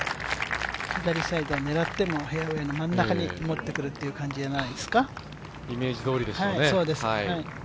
左サイドを狙ってもフェアウエーの真ん中にもってくるという感じじゃないですか。